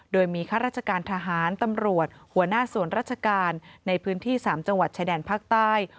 โดยมีข้าราชการทหารตำรวจหัวหน้าส่วนราชการในพื้นที่๓จังหวัดชายแดนภาคใต้